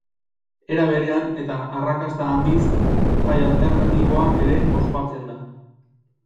Era berean eta arrakasta handiz Jai Alternatiboa ere ospatzen da.